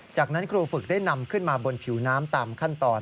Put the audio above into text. จากนั้นครูฝึกได้นำขึ้นมาบนผิวน้ำตามขั้นตอน